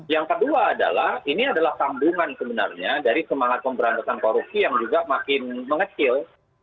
yang kedua adalah ini adalah sambungan sebenarnya dari semangat pemberantasan korupsi yang juga makin mengecil